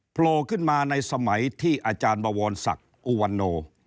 โผล่ขึ้นมาในสมัยที่อาจารย์บวรศักดิ์อุวันโน